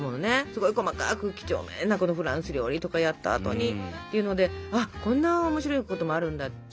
すごい細かく几帳面なフランス料理とかやった後にというのであこんな面白いこともあるんだって。